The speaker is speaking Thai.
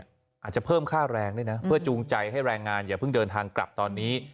อาจจะเพิ่มค่าแรงด้วยนะเพื่อจูงใจให้แรงงานอย่าเพิ่งเดินทางกลับตอนนี้